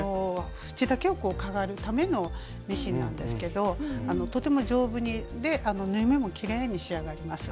縁だけをかがるためのミシンなんですけどとても丈夫で縫い目もきれいに仕上がります。